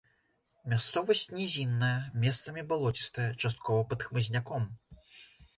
Мясцовасць нізінная, месцамі балоцістая, часткова пад хмызняком.